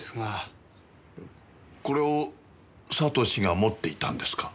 これを悟志が持っていたんですか？